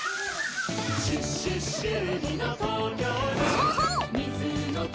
そうそう！